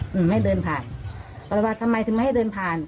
ไม่ให้เดินผ่านแต่ว่าทำไมถึงไม่ให้เดินผ่าน